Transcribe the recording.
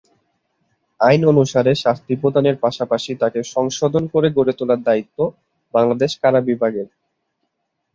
আইন অনুসারে শাস্তি প্রদানের পাশাপাশি তাকে সংশোধন করে গড়ে তোলার দায়িত্ব বাংলাদেশ কারা বিভাগের।